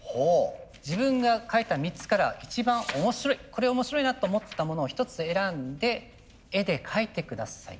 自分が書いた３つから一番面白いこれ面白いなと思ったものをひとつ選んで絵で描いて下さい。